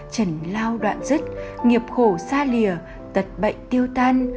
chẳng lao đoạn rứt nghiệp khổ xa lìa tật bệnh tiêu tan